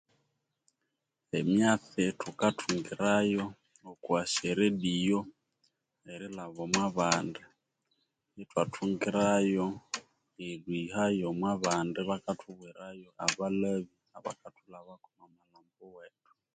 Emyatsi tukathungirayo okwasyaradio erilhaba omwanbandi ithwathungirayo erihayo omwanbandi abalhbi bakthwubwirayo abalhvi abakathulhabako omwamalhambo wethu